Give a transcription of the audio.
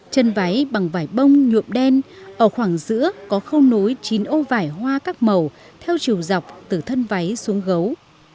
chân váy bằng vải bông nhuộm đen ở khoảng giữa có khâu nối chín ô vải hoa các màu theo chiều dọc từ thân váy xuống gấu